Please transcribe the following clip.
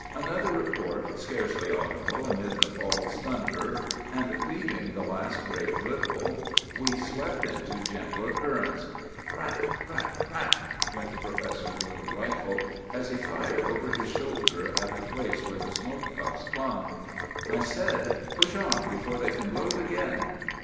Another report, scarcely audible amid the falls' thunder, and cleaving the last great ripple, we swept into gentler currents. Crack! crack! crack! went the professor's little rifle, as he fired over his shoulder at the place where the smoke puffs clung. "I said, 'Push on, before they can load again.